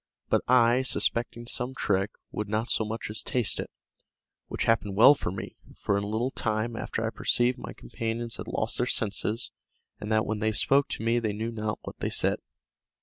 But I, suspecting some trick, would not so much as taste it, which happened well for me; for in a little time after I perceived my companions had lost their senses, and that when they spoke to me they knew not what they said.